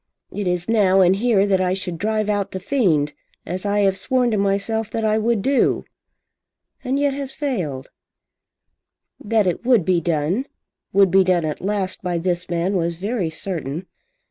It is now, and here, that I should drive out the fiend, as I have sworn to myself that I would do," and yet has failed? That it would be done, would be done at last, by this man was very certain.